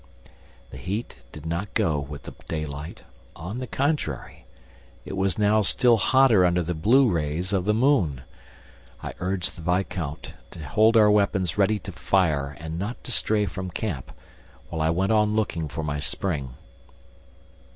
The heat did not go with the daylight; on the contrary, it was now still hotter under the blue rays of the moon. I urged the viscount to hold our weapons ready to fire and not to stray from camp, while I went on looking for my spring.